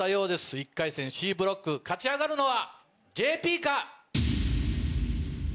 １回戦Ｃブロック勝ち上がるのは。